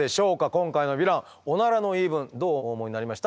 今回のヴィランオナラの言い分どうお思いになりました？